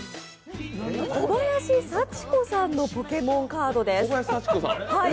小林幸子さんのポケモンカードです。